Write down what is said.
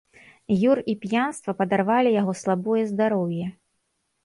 Юр і п'янства падарвалі яго слабое здароўе.